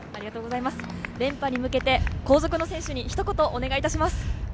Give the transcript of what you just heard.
連覇に向けて後続の選手に一言お願いします。